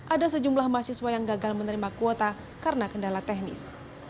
ada sejumlah mahasiswa yang gagal menerima kuota karena kendala teknis